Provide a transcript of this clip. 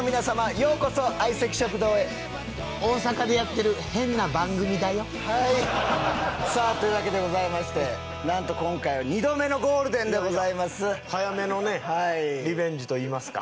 ようこそ相席食堂へ大阪でやってる変な番組だよはいさあというわけでございましてなんと今回は２度目のゴールデンでございます早めのねリベンジといいますか